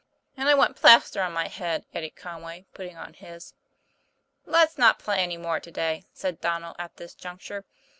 "And I want plaster for my head," added Con way, putting on his. "Let's not play any more to day," said Donnel, at this juncture.